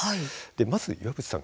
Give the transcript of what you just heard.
まず岩渕さん